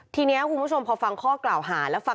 ทีนี้ครับคุณผู้ชมขอบฟังข้อกล่าวหา